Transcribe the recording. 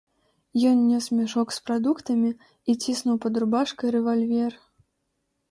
Ён нёс мяшок з прадуктамі і ціснуў пад рубашкай рэвальвер.